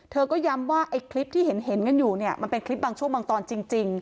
เธอก็ย้ำว่าไอ้คลิปที่เห็นกันอยู่เนี่ยมันเป็นคลิปบางช่วงบางตอนจริง